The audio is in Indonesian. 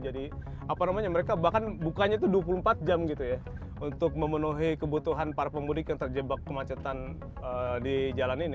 jadi apa namanya mereka bahkan bukanya tuh dua puluh empat jam gitu ya untuk memenuhi kebutuhan para pemudik yang terjebak kemacetan di jalan ini